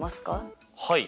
はい。